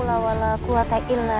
ya allah bantu